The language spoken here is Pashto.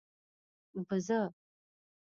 🐐 بزه